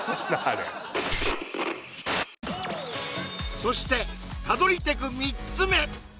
そして他撮りテク３つ目！